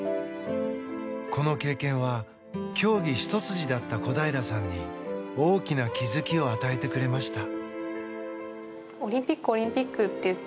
この経験は競技一筋だった小平さんに大きな気づきを与えてくれました。